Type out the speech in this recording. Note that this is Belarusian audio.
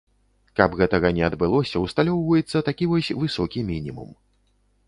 Каб гэтага не адбылося, усталёўваецца такі вось высокі мінімум.